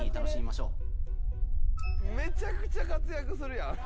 めちゃくちゃ活躍するやん！